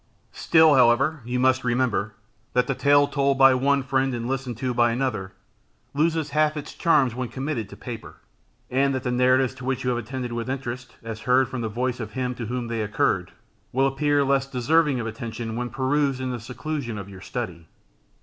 Still, however, you must remember, that the tale told by one friend, and listened to by another, loses half its charms when committed to paper; and that the narratives to which you have attended with interest, as heard from the voice of him to whom they occurred, will appear less deserving of attention when perused in the seclusion of your study.